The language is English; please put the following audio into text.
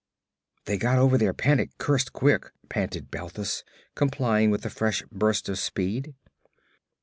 'They got over their panic cursed quick!' panted Balthus, complying with a fresh burst of speed.